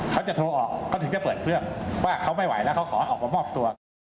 เขาจะโทรออกเขาถึงจะเปิดเครื่องว่าเขาไม่ไหวแล้วเขาขอออกมามอบตัว